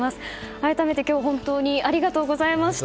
改めて今日本当にありがとうございました。